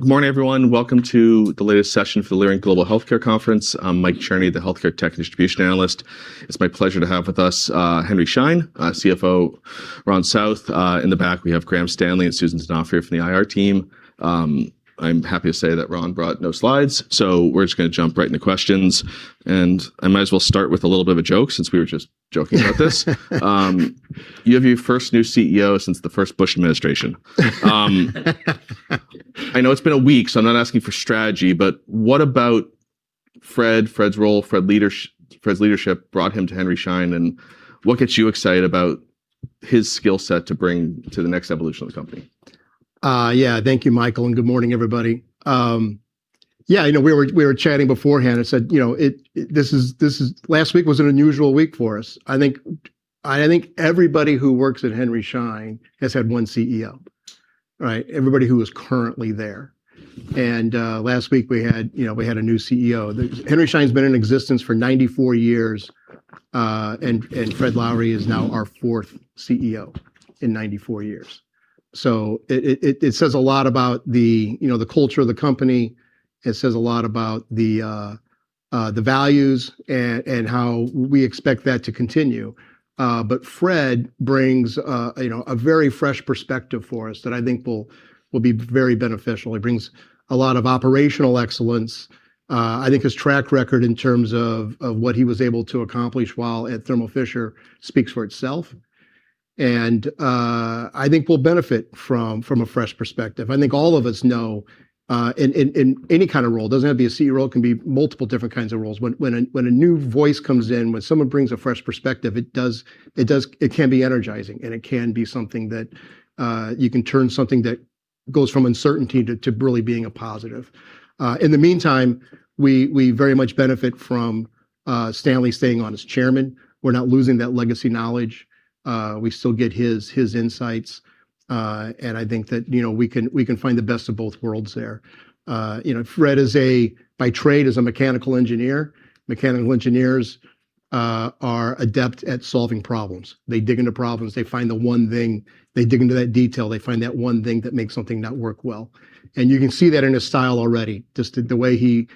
Good morning, everyone. Welcome to the latest session for the Leerink Global Healthcare Conference. I'm Michael Cherny, the healthcare tech distribution analyst. It's my pleasure to have with us, Henry Schein, CFO Ron South. In the back we have Graham Stanley and Susan Znaufer from the IR team. I'm happy to say that Ron brought no slides, so we're just gonna jump right into questions. I might as well start with a little bit of a joke since we were just joking about this. You have your first new CEO since the first Bush administration. I know it's been a week, so I'm not asking for strategy, but what about Fred's role, Fred's leadership brought him to Henry Schein, and what gets you excited about his skill set to bring to the next evolution of the company? Yeah. Thank you, Michael, and good morning everybody. Yeah, I know we were chatting beforehand. I said, you know, it this is Last week was an unusual week for us. I think everybody who works at Henry Schein has had one CEO, right? Everybody who is currently there. Last week we had, you know, a new CEO. Henry Schein's been in existence for 94 years, and Fred Lowery is now our 4th CEO in 94 years. It says a lot about the, you know, the culture of the company, it says a lot about the values and how we expect that to continue. Fred brings, you know, a very fresh perspective for us that I think will be very beneficial. He brings a lot of operational excellence. I think his track record in terms of what he was able to accomplish while at Thermo Fisher speaks for itself and, I think we'll benefit from a fresh perspective. I think all of us know, in any kind of role, doesn't have to be a CEO role, it can be multiple different kinds of roles, when a new voice comes in, when someone brings a fresh perspective, it does... It can be energizing and it can be something that, you can turn something that goes from uncertainty to really being a positive. In the meantime, we very much benefit from Stanley staying on as chairman. We're not losing that legacy knowledge. We still get his insights. I think that, you know, we can, we can find the best of both worlds there. You know, Fred is a, by trade, is a mechanical engineer. Mechanical engineers are adept at solving problems. They dig into problems, they find the one thing, they dig into that detail, they find that one thing that makes something not work well. You can see that in his style already, just the way he...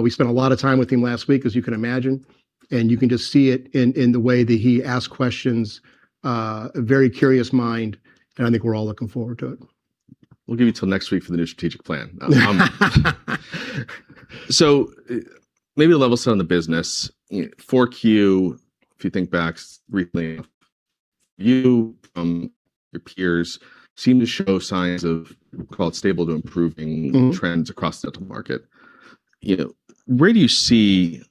We spent a lot of time with him last week, as you can imagine, and you can just see it in the way that he asks questions. A very curious mind. I think we're all looking forward to it. We'll give you till next week for the new strategic plan. Maybe level set on the business. You know, 4Q, if you think back recently, you, your peers seem to show signs of call it stable to improving... Trends across the dental market. You know, where do you see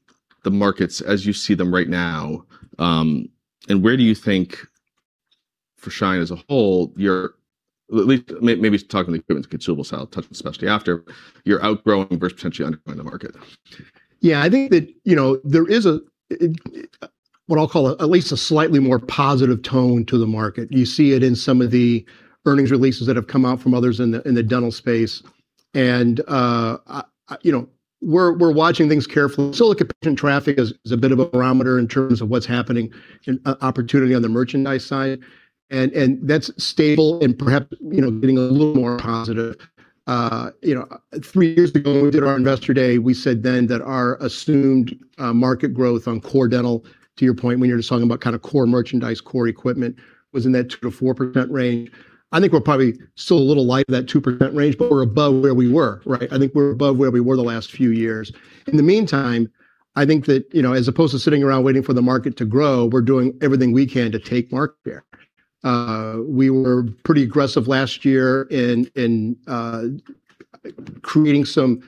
the markets as you see them right now. Where do you think for Schein as a whole, you're at least maybe talking the equipment and consumable side, talking especially after you're outgrowing versus potentially undergoing the market? Yeah. I think that, you know, there is a, at least a slightly more positive tone to the market. You see it in some of the earnings releases that have come out from others in the, in the dental space and, you know, we're watching things carefully. Silicon traffic is a bit of a barometer in terms of what's happening and opportunity on the merchandise side and that's stable and perhaps, you know, getting a little more positive. You know, three years ago when we did our investor day, we said then that our assumed, market growth on core dental, to your point when you're just talking about kinda core merchandise, core equipment, was in that 2% to 4% range. I think we're probably still a little light of that 2% range, but we're above where we were, right? I think we're above where we were the last few years. In the meantime, I think that, you know, as opposed to sitting around waiting for the market to grow, we're doing everything we can to take market share. We were pretty aggressive last year in creating some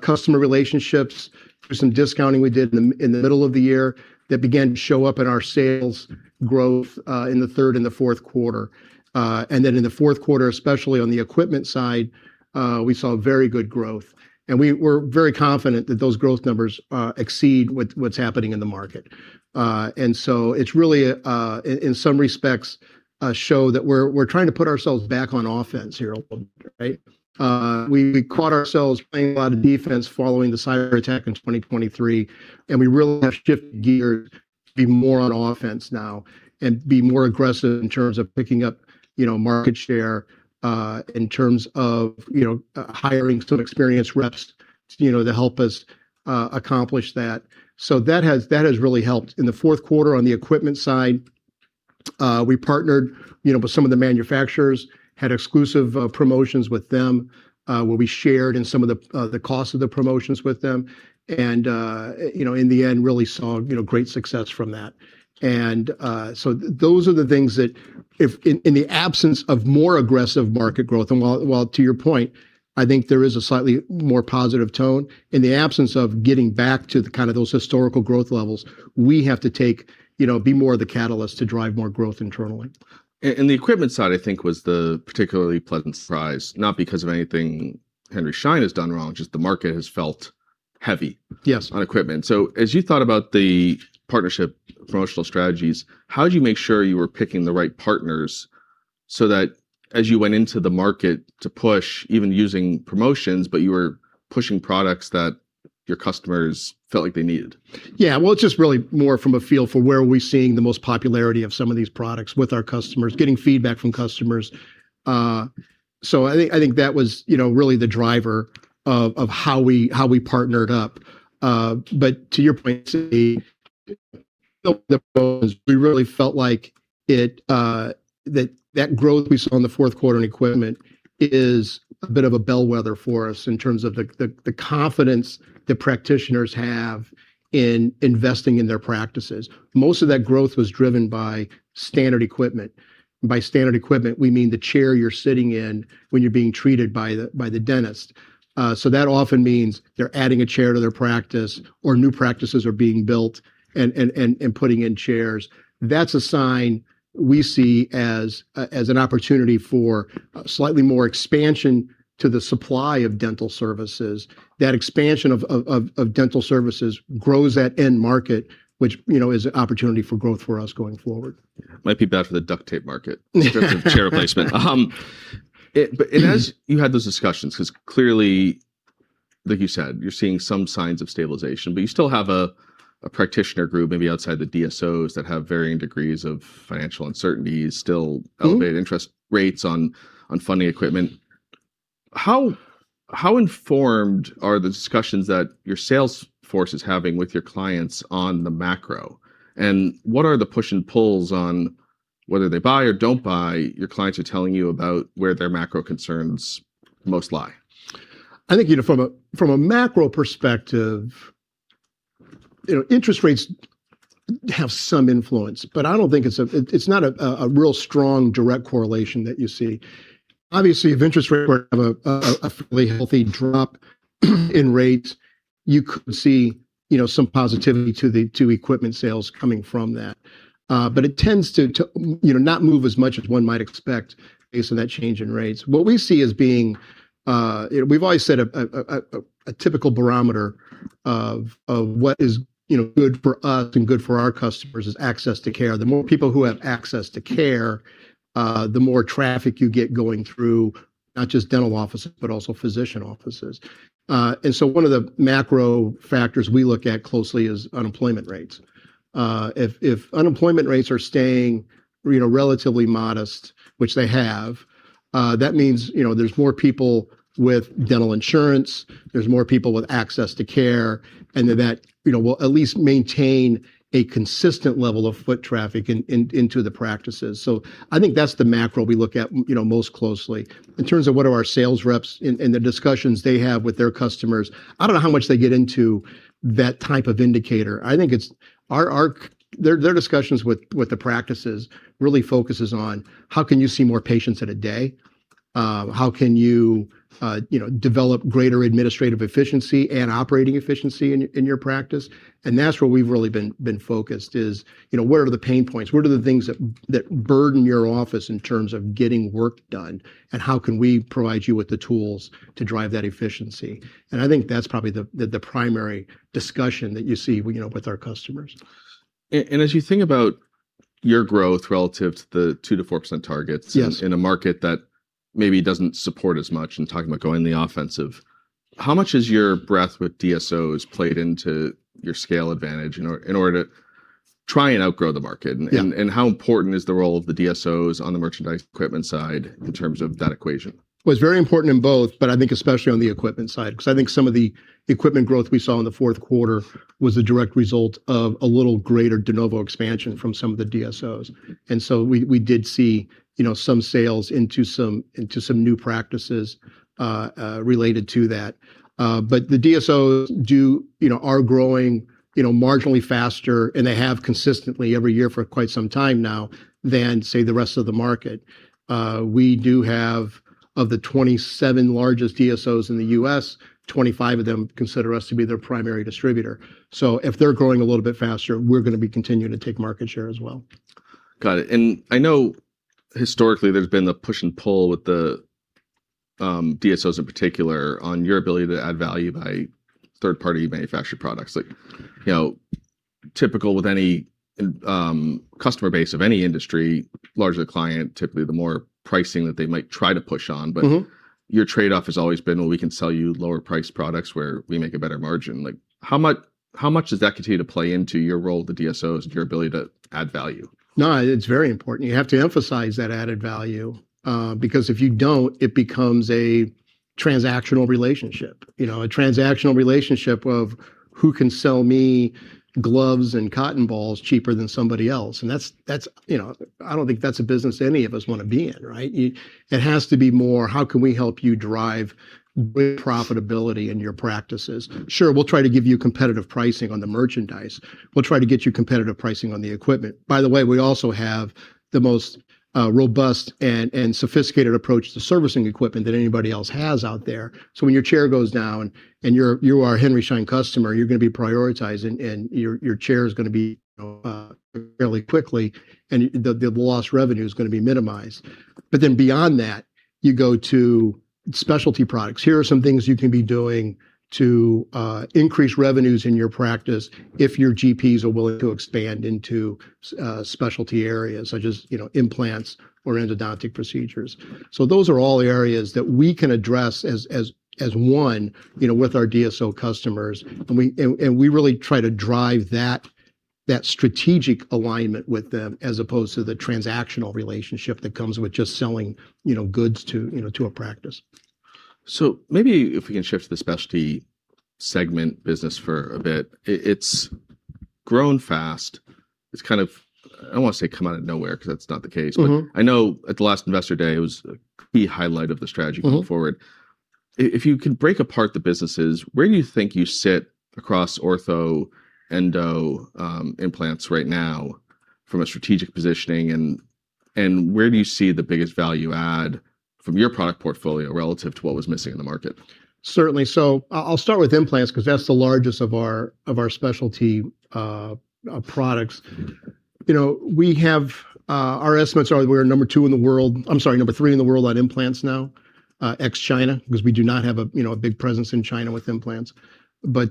customer relationships through some discounting we did in the middle of the year that began to show up in our sales growth in the third and the fourth quarter. In the fourth quarter, especially on the equipment side, we saw very good growth and we're very confident that those growth numbers exceed what's happening in the market. It's really a in some respects, a show that we're trying to put ourselves back on offense here a little bit, right? We caught ourselves playing a lot of defense following the cyberattack in 2023, and we really have shifted gears to be more on offense now and be more aggressive in terms of picking up, you know, market share, in terms of, you know, hiring some experienced reps, you know, to help us accomplish that. That has really helped. In the fourth quarter on the equipment side, we partnered, you know, with some of the manufacturers, had exclusive promotions with them, where we shared in some of the cost of the promotions with them and, you know, in the end, really saw, you know, great success from that. Those are the things that if in the absence of more aggressive market growth, and while to your point, I think there is a slightly more positive tone, in the absence of getting back to kind of those historical growth levels, we have to take, you know, be more the catalyst to drive more growth internally. The equipment side, I think, was the particularly pleasant surprise, not because of anything Henry Schein has done wrong, just the market has felt heavy. Yes On equipment. As you thought about the partnership promotional strategies, how did you make sure you were picking the right partners so that as you went into the market to push, even using promotions, but you were pushing products Your customers felt like they needed. Yeah. Well, it's just really more from a feel for where are we seeing the most popularity of some of these products with our customers, getting feedback from customers. I think that was, you know, really the driver of how we, how we partnered up. To your point, is the growth we really felt like it, that growth we saw in the fourth quarter in equipment is a bit of a bellwether for us in terms of the confidence the practitioners have in investing in their practices. Most of that growth was driven by standard equipment. By standard equipment, we mean the chair you're sitting in when you're being treated by the dentist. That often means they're adding a chair to their practice or new practices are being built and putting in chairs. That's a sign we see as an opportunity for slightly more expansion to the supply of dental services. That expansion of dental services grows that end market, which, you know, is an opportunity for growth for us going forward. Might be bad for the duct tape market, in terms of chair replacement. It has... You had those discussions because clearly, like you said, you're seeing some signs of stabilization, but you still have a practitioner group maybe outside the DSO's that have varying degrees of financial uncertainty, still. Elevated interest rates on funding equipment. How informed are the discussions that your sales force is having with your clients on the macro? What are the push and pulls on whether they buy or don't buy your clients are telling you about where their macro concerns most lie? I think, you know, from a macro perspective, you know, interest rates have some influence, but I don't think it's not a real strong direct correlation that you see. Obviously, if interest rates were to have a fairly healthy drop in rates, you could see, you know, some positivity to the equipment sales coming from that. It tends to, you know, not move as much as one might expect based on that change in rates. What we see as being. You know, we've always said a typical barometer of what is, you know, good for us and good for our customers is access to care. The more people who have access to care, the more traffic you get going through not just dental offices but also physician offices. One of the macro factors we look at closely is unemployment rates. If unemployment rates are staying, you know, relatively modest, which they have, that means, you know, there's more people with dental insurance, there's more people with access to care, and that, you know, will at least maintain a consistent level of foot traffic into the practices. I think that's the macro we look at, you know, most closely. In terms of what do our sales reps in the discussions they have with their customers, I don't know how much they get into that type of indicator. I think it's. Their discussions with the practices really focuses on how can you see more patients in a day? How can you know, develop greater administrative efficiency and operating efficiency in your practice? That's where we've really been focused is, you know, what are the pain points? What are the things that burden your office in terms of getting work done? How can we provide you with the tools to drive that efficiency? I think that's probably the primary discussion that you see you know, with our customers. As you think about your growth relative to the 2% to 4% targets... Yes In a market that maybe doesn't support as much, in talking about going the offensive, how much has your breadth with DSO's played into your scale advantage in order to try and outgrow the market? Yeah. How important is the role of the DSO's on the merchandise equipment side in terms of that equation? Well, it's very important in both, but I think especially on the equipment side, because I think some of the equipment growth we saw in the fourth quarter was the direct result of a little greater de novo expansion from some of the DSO's. We did see, you know, some sales into some new practices related to that. The DSOs, you know, are growing, you know, marginally faster, and they have consistently every year for quite some time now than, say, the rest of the market. We do have of the 27 largest DSOs in the U.S. 25 of them consider us to be their primary distributor. If they're growing a little bit faster, we're gonna be continuing to take market share as well. Got it. I know historically there's been the push and pull with the DSO's in particular on your ability to add value by third-party manufactured products. Like, you know, typical with any customer base of any industry, larger the client, typically the more pricing that they might try to push on. Your trade-off has always been, "Well, we can sell you lower priced products where we make a better margin." Like, how much does that continue to play into your role with the DSOs and your ability to add value? No, it's very important. You have to emphasize that added value, because if you don't, it becomes a transactional relationship. You know, a transactional relationship of who can sell me gloves and cotton balls cheaper than somebody else, and that's, you know. I don't think that's a business any of us wanna be in, right? It has to be more, how can we help you drive profitability in your practices? Sure, we'll try to give you competitive pricing on the merchandise. We'll try to get you competitive pricing on the equipment. By the way, we also have the most robust and sophisticated approach to servicing equipment than anybody else has out there. When your chair goes down and you're, you are a Henry Schein customer, you're gonna be prioritized and your chair is gonna be fairly quickly, and the lost revenue is gonna be minimized. Beyond that, you go to specialty products. Here are some things you can be doing to increase revenues in your practice if your GPs are willing to expand into specialty areas such as, you know, implants or endodontic procedures. Those are all areas that we can address as one, you know, with our DSO customers, and we really try to drive That strategic alignment with them as opposed to the transactional relationship that comes with just selling, you know, goods to, you know, to a practice. Maybe if we can shift to the specialty segment business for a bit. It's grown fast, it's kind of, I don't wanna say come out of nowhere 'cause that's not the case. I know at the last investor day, it was a key highlight of the strategy going forward. If you can break apart the businesses, where do you think you sit across ortho, endo, implants right now from a strategic positioning and where do you see the biggest value add from your product portfolio relative to what was missing in the market? I'll start with implants 'cause that's the largest of our, of our specialty products. You know, we have our estimates are that we're number two in the world, I'm sorry, number three in the world on implants now, ex-China, because we do not have a, you know, a big presence in China with implants. We've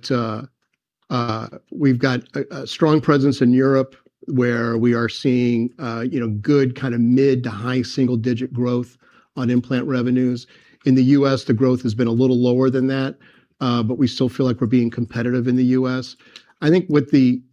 got a strong presence in Europe, where we are seeing, you know, good kind of mid to high single digit growth on implant revenues. In the U.S., the growth has been a little lower than that, but we still feel like we're being competitive in the U.S. I think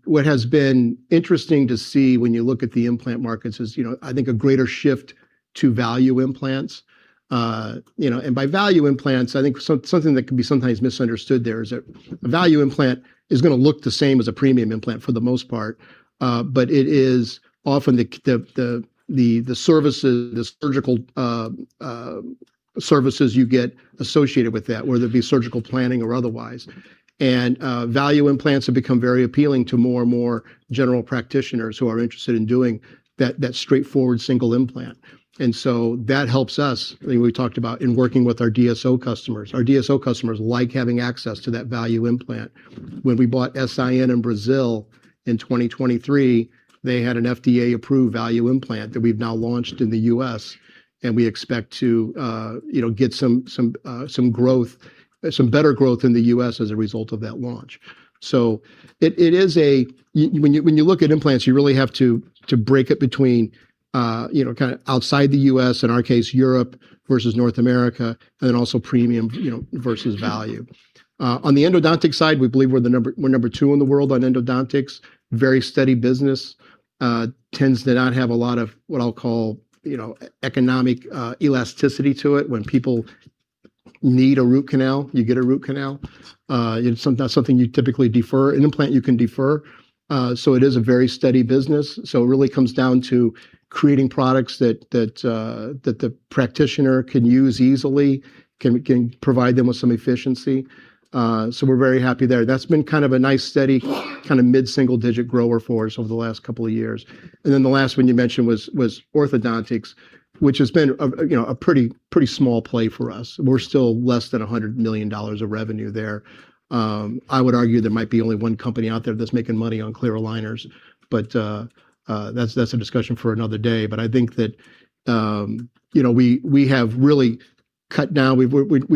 what has been interesting to see when you look at the implant markets is, you know, I think a greater shift to value implants. You know, by value implants, I think something that can be sometimes misunderstood there is that a value implant is gonna look the same as a premium implant for the most part, but it is often the services, the surgical services you get associated with that, whether it be surgical planning or otherwise. Value implants have become very appealing to more and more general practitioners who are interested in doing that straightforward single implant. That helps us, I think we talked about, in working with our DSO customers. Our DSO customers like having access to that value implant. When we bought S.I.N. in Brazil in 2023, they had an FDA-approved value implant that we've now launched in the U.S. and we expect to, you know, get some growth, some better growth in the U.S. as a result of that launch. It is a When you, when you look at implants, you really have to break it between, you know, kinda outside the U.S., in our case, Europe versus North America, and then also premium, you know, versus value. On the endodontic side, we believe we're number two in the world on endodontics. Very steady business, tends to not have a lot of what I'll call, you know, economic elasticity to it. When people need a root canal, you get a root canal. It's not something you typically defer. An implant you can defer, so it is a very steady business. It really comes down to creating products that, that the practitioner can use easily, can provide them with some efficiency, so we're very happy there. That's been kind of a nice steady kind of mid-single digit grower for us over the last couple of years. The last one you mentioned was orthodontics, which has been a, you know, a pretty small play for us. We're still less than $100 million of revenue there. I would argue there might be only one company out there that's making money on clear aligners, but, that's a discussion for another day. I think that, you know, we have really cut down, we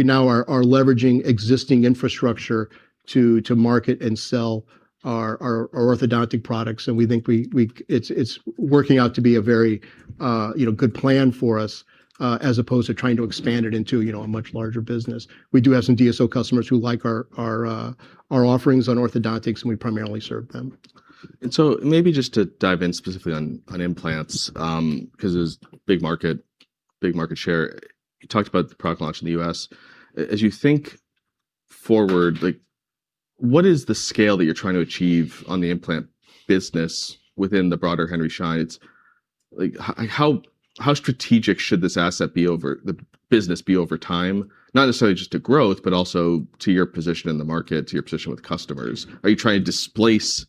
now are leveraging existing infrastructure to market and sell our orthodontic products, and we think it's working out to be a very, you know, good plan for us, as opposed to trying to expand it into, you know, a much larger business. We do have some DSO customers who like our offerings on orthodontics, and we primarily serve them. Maybe just to dive in specifically on implants, 'cause it was big market share. You talked about the product launch in the U.S. As you think forward, like what is the scale that you're trying to achieve on the implant business within the broader Henry Schein? It's like how strategic should this business be over time? Not necessarily just to growth, but also to your position in the market, to your position with customers. Are you trying to displace,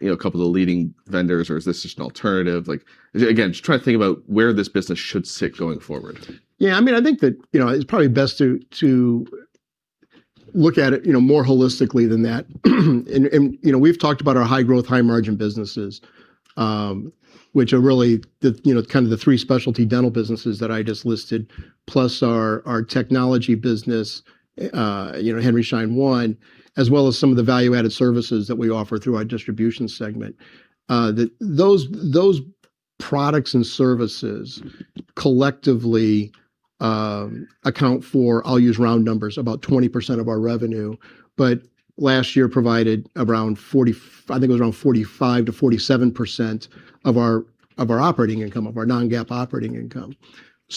you know, a couple of the leading vendors, or is this just an alternative? Like again, just trying to think about where this business should sit going forward. Yeah, I mean, I think that, you know, it's probably best to look at it, you know, more holistically than that. You know, we've talked about our high growth, high margin businesses, which are really the, you know, kind of the three specialty dental businesses that I just listed, plus our technology business, you know, Henry Schein One, as well as some of the value-added services that we offer through our distribution segment. Those products and services collectively account for, I'll use round numbers, about 20% of our revenue, but last year provided around 45% to 47% of our operating income, of our non-GAAP operating income.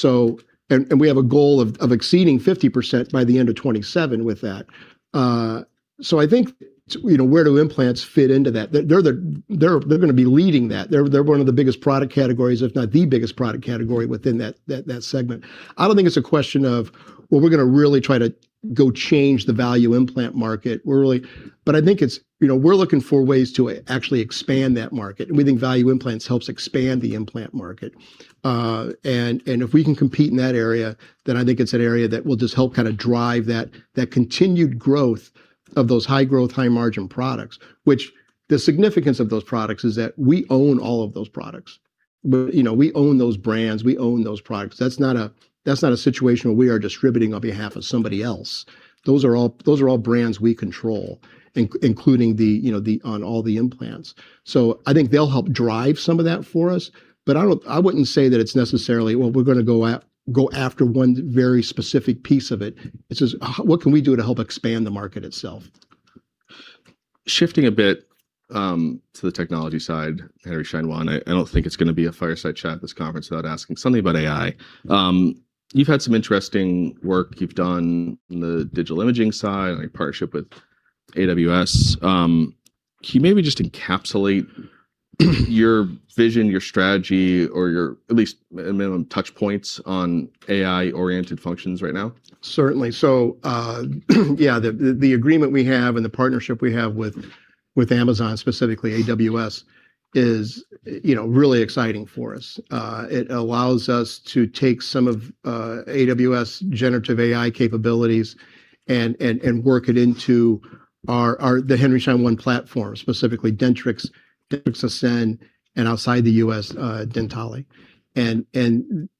We have a goal of exceeding 50% by the end of 2027 with that. I think, you know, where do implants fit into that? They're gonna be leading that. They're one of the biggest product categories, if not the biggest product category within that segment. I don't think it's a question of, well, we're gonna really try to go change the value implant market. I think it's, you know, we're looking for ways to actually expand that market, and we think value implants helps expand the implant market. If we can compete in that area, then I think it's an area that will just help kinda drive that continued growth of those high growth, high margin products, which the significance of those products is that we own all of those products. You know, we own those brands, we own those products. That's not a situation where we are distributing on behalf of somebody else. Those are all brands we control including, you know, on all the implants. I think they'll help drive some of that for us, but I wouldn't say that it's necessarily, well, we're gonna go after one very specific piece of it. It's just what can we do to help expand the market itself? Shifting a bit to the technology side, Henry Schein One, I don't think it's gonna be a Fireside Chat, this conference, without asking something about AI. You've had some interesting work you've done on the digital imaging side, and a partnership with AWS. Can you maybe just encapsulate your vision, your strategy, or your at least minimum touch points on AI-oriented functions right now? Certainly. The agreement we have and the partnership we have with Amazon, specifically AWS, is, you know, really exciting for us. It allows us to take some of AWS generative AI capabilities and work it into our Henry Schein One platform, specifically Dentrix Ascend, and outside the U.S., Dentally.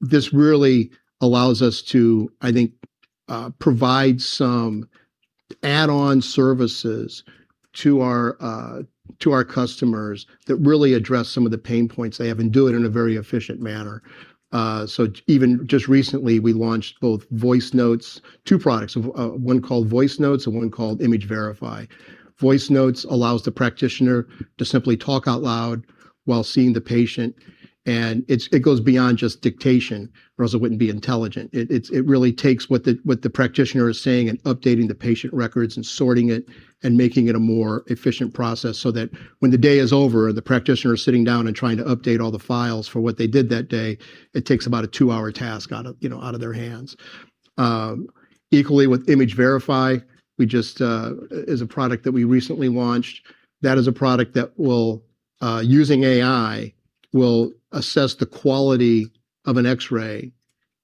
This really allows us to, I think, provide some add-on services to our customers that really address some of the pain points they have and do it in a very efficient manner. Even just recently, we launched both Voice Notes. Two products. One called Voice Notes and one called Image Verify. Voice Notes allows the practitioner to simply talk out loud while seeing the patient. It goes beyond just dictation, or else it wouldn't be intelligent. It really takes what the practitioner is saying and updating the patient records and sorting it and making it a more efficient process so that when the day is over, the practitioner is sitting down and trying to update all the files for what they did that day, it takes about a two hour task out of, you know, out of their hands. Equally with Image Verify, we just is a product that we recently launched. That is a product that will using AI, will assess the quality of an X-ray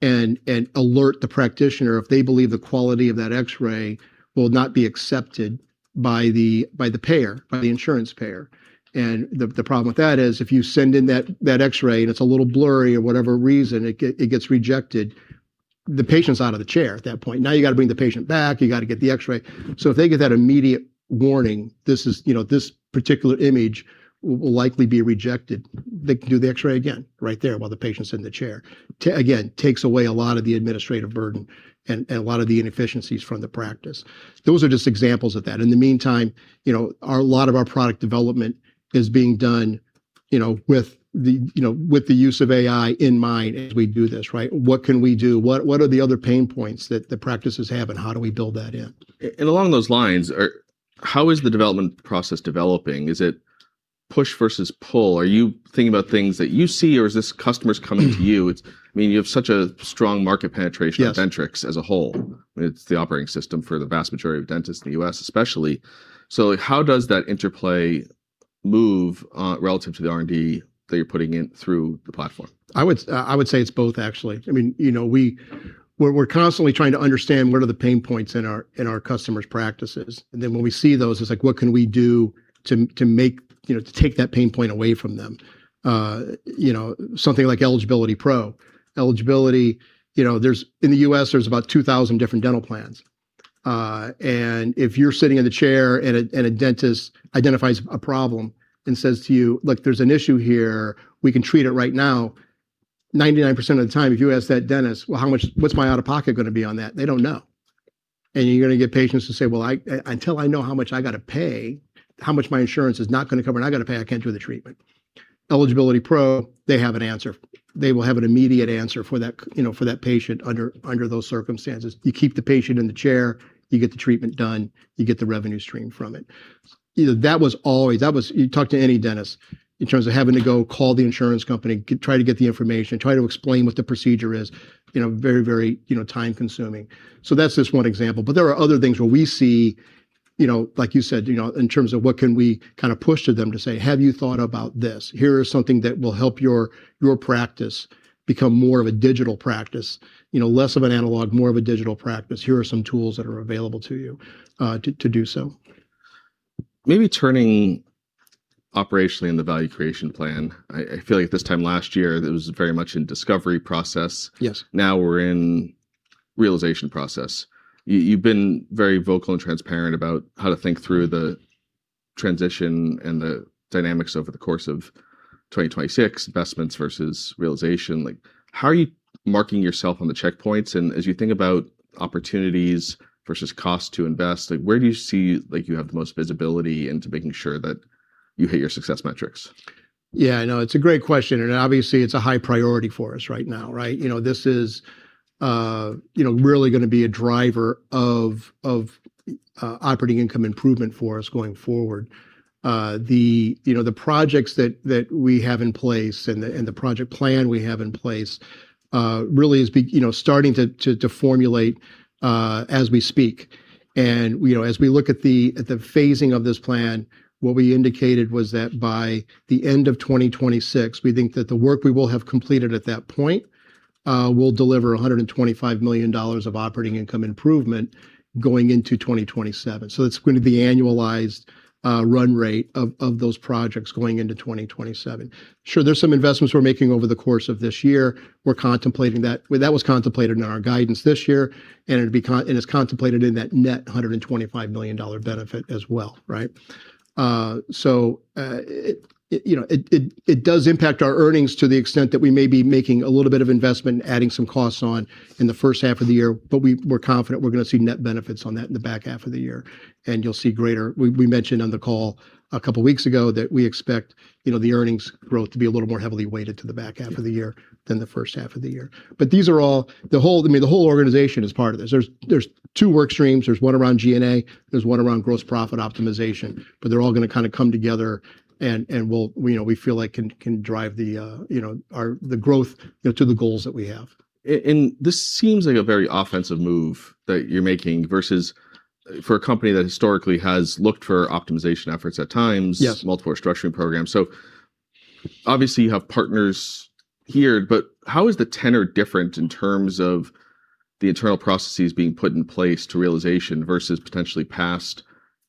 and alert the practitioner if they believe the quality of that X-ray will not be accepted by the payer, by the insurance payer. The problem with that is if you send in that X-ray and it's a little blurry or whatever reason, it gets rejected, the patient's out of the chair at that point. You gotta bring the patient back, you gotta get the X-ray. If they get that immediate warning, this is, you know, this particular image will likely be rejected, they can do the X-ray again right there while the patient's in the chair. To again, takes away a lot of the administrative burden and a lot of the inefficiencies from the practice. Those are just examples of that. In the meantime, you know, a lot of our product development is being done, you know, with the use of AI in mind as we do this, right? What can we do? What are the other pain points that the practices have, and how do we build that in? Along those lines, how is the development process developing? Is it push versus pull? Are you thinking about things that you see, or is this customers coming to you? It's, I mean, you have such a strong market penetration... Yes With Dentrix as a whole. It's the operating system for the vast majority of dentists in the U.S. especially. Like, how does that interplay move, relative to the R&D that you're putting in through the platform? I would say it's both, actually. I mean, you know, we're constantly trying to understand what are the pain points in our customers practices, and then when we see those, it's like, what can we do to make, you know, to take that pain point away from them? You know, something like Eligibility Pro. Eligibility, you know, there's, in the U.S., there's about 2,000 different dental plans. If you're sitting in the chair and a dentist identifies a problem and says to you, "Look, there's an issue here. We can treat it right now," 99% of the time, if you ask that dentist, "Well, how much... What's my out-of-pocket gonna be on that?" They don't know. You're gonna get patients to say, "Well, I, until I know how much I gotta pay, how much my insurance is not gonna cover and I gotta pay, I can't do the treatment." Eligibility Pro, they have an answer. They will have an immediate answer for that, you know, for that patient under those circumstances. You keep the patient in the chair, you get the treatment done, you get the revenue stream from it. You know, that was always. You talk to any dentist in terms of having to go call the insurance company, try to get the information, try to explain what the procedure is, you know, very, you know, time-consuming. That's just one example. There are other things where we see, you know, like you said, you know, in terms of what can we kinda push to them to say, "Have you thought about this? Here is something that will help your practice become more of a digital practice. You know, less of an analog, more of a digital practice. Here are some tools that are available to you to do so. Maybe, turning operationally in the value creation plan, I feel like this time last year it was very much in discovery process. Yes. Now we're in realization process. You've been very vocal and transparent about how to think through the transition and the dynamics over the course of 2026, investments versus realization. Like, how are you marking yourself on the checkpoints? As you think about opportunities versus cost to invest, like, where do you see, like, you have the most visibility into making sure that you hit your success metrics? Yeah, no, it's a great question, and obviously, it's a high priority for us right now, right? You know, this is, you know, really gonna be a driver of operating income improvement for us going forward. The, you know, the projects that we have in place and the project plan we have in place, really is you know, starting to formulate, as we speak. You know, as we look at the phasing of this plan. What we indicated was that by the end of 2026, we think that the work we will have completed at that point, will deliver $125 million of operating income improvement going into 2027. It's going to be annualized, run rate of those projects going into 2027. Sure, there's some investments we're making over the course of this year. We're contemplating that. Well, that was contemplated in our guidance this year, and it'll be and it's contemplated in that net $125 million benefit as well, right? So, you know, it does impact our earnings to the extent that we may be making a little bit of investment and adding some costs on in the first half of the year, but we're confident we're gonna see net benefits on that in the back half of the year. You'll see greater... We mentioned on the call a couple weeks ago that we expect, you know, the earnings growth to be a little more heavily weighted to the back half of the year than the first half of the year. These are all. The whole, I mean, the whole organization is part of this. There's two work streams. There's one around G&A, there's one around gross profit optimization. They're all gonna kinda come together and we'll, we, you know, we feel like can drive the, you know, our, the growth, you know, to the goals that we have. This seems like a very offensive move that you're making versus for a company that historically has looked for optimization efforts at times. Yes Multiple restructuring programs. Obviously you have partners here, but how is the tenor different in terms of the internal processes being put in place to realization versus potentially past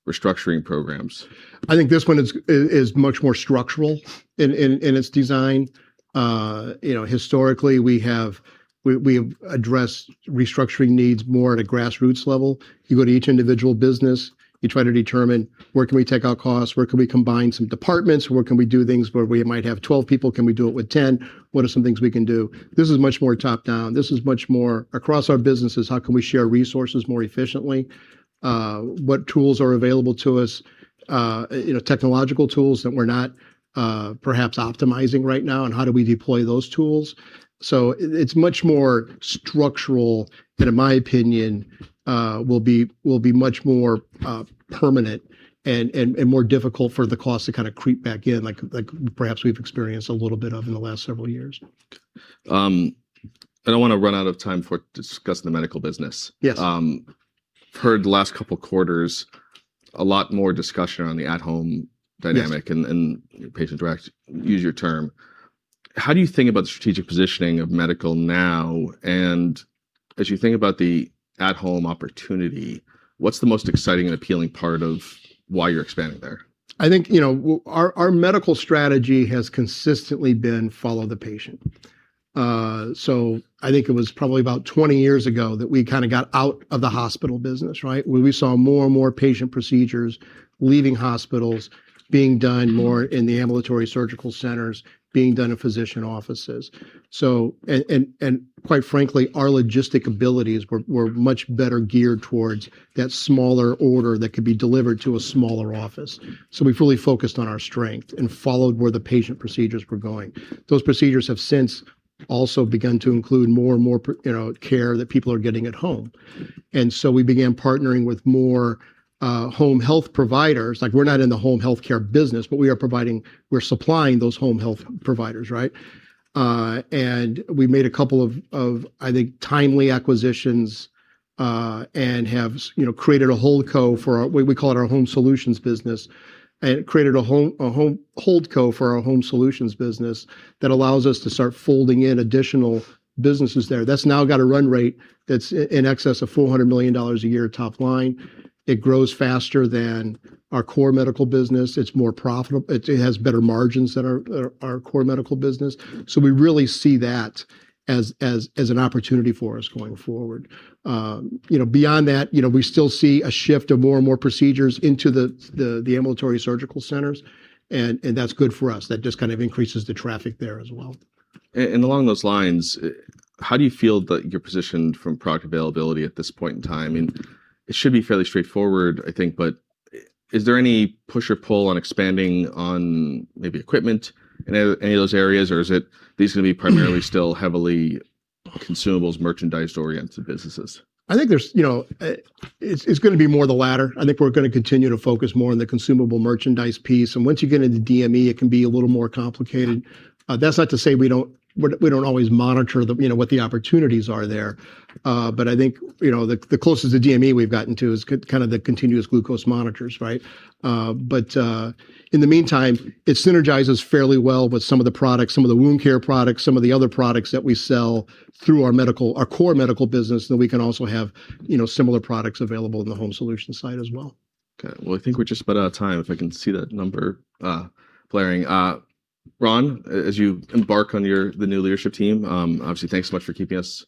restructuring programs? I think this one is much more structural in its design. You know, historically, we have addressed restructuring needs more at a grassroots level. You go to each individual business, you try to determine where can we take out costs? Where can we combine some departments? Where can we do things where we might have 12 people, can we do it with 10? What are some things we can do? This is much more top-down. This is much more across our businesses, how can we share resources more efficiently? What tools are available to us, you know, technological tools that we're not perhaps optimizing right now, and how do we deploy those tools? It's much more structural and in my opinion, will be much more permanent and more difficult for the cost to kinda creep back in, like perhaps we've experienced a little bit of in the last several years. I don't wanna run out of time before discussing the medical business. Yes. Heard the last couple quarters a lot more discussion on the at-home dynamic. Yes And patient direct, use your term. How do you think about the strategic positioning of medical now? As you think about the at-home opportunity, what's the most exciting and appealing part of why you're expanding there? I think, you know, our medical strategy has consistently been follow the patient. I think it was probably about 20 years ago that we kinda got out of the hospital business, right? Where we saw more and more patient procedures leaving hospitals being done more in the ambulatory surgical centers, being done in physician offices. And quite frankly, our logistic abilities were much better geared towards that smaller order that could be delivered to a smaller office. We've really focused on our strength and followed where the patient procedures were going. Those procedures have since also begun to include more and more, you know, care that people are getting at home. We began partnering with more home health providers. Like we're not in the home healthcare business, but we are providing, we're supplying those home health providers, right? We made a couple of I think timely acquisitions, you know, created a holdco for our, we call it our Home Solutions business. Created a holdco for our Home Solutions business that allows us to start folding in additional businesses there. That's now got a run rate that's in excess of $400 million a year top line. It grows faster than our core medical business. It's more profitable. It has better margins than our core medical business. We really see that as an opportunity for us going forward. You know, beyond that, you know, we still see a shift of more and more procedures into the ambulatory surgical centers and that's good for us. That just kind of increases the traffic there as well. Along those lines, how do you feel that you're positioned from product availability at this point in time? I mean, it should be fairly straightforward, I think, but is there any push or pull on expanding on maybe equipment in any of those areas, or are these gonna be primarily still heavily consumables, merchandise-oriented businesses? I think there's, you know. It's going to be more the latter. I think we're gonna continue to focus more on the consumable merchandise piece. Once you get into DME, it can be a little more complicated. That's not to say we don't always monitor the, you know, what the opportunities are there. I think, you know, the closest to DME we've gotten to is kind of the continuous glucose monitors, right? In the meantime, it synergizes fairly well with some of the products, some of the wound care products, some of the other products that we sell through our medical, our core medical business, that we can also have, you know, similar products available in the Home Solutions side as well. Well, I think we're just about out of time, if I can see that number, blaring. Ron, as you embark on the new leadership team, obviously, thanks so much for keeping us.